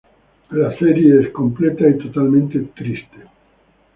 La serie es completa y totalmente triste.